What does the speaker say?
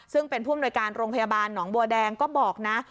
ซึ่งเป็นผู้อำนวยการโรงพยาบาลหนองบัวแดงก็บอกนะ